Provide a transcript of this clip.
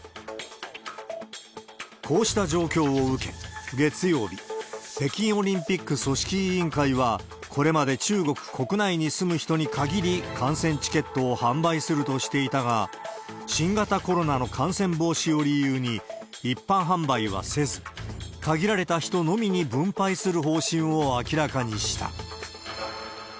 こうした状況を受け、月曜日、北京オリンピック組織委員会は、これまで中国国内に住む人に限り観戦チケットを販売するとしていたが、新型コロナの感染防止を理由に、一般販売はせず、限られた人のみに分配する方針を明らかにした。